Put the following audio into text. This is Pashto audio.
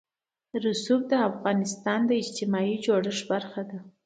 رسوب د افغانستان د اجتماعي جوړښت برخه ده.